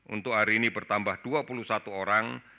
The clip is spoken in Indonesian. untuk hari ini bertambah dua puluh satu orang